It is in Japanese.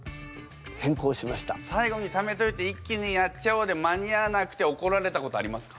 最後にためといて一気にやっちゃおうで間に合わなくて怒られたことありますか？